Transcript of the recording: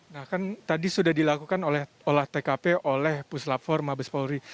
nah kan tadi sudah dilakukan oleh olah tkp oleh puslap empat mabes polri